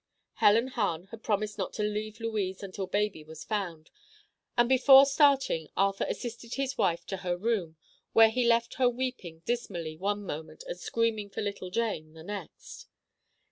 Helen Hahn had promised not to leave Louise until baby was found, and before starting Arthur assisted his wife to her room, where he left her weeping dismally one moment and screaming for little Jane the next.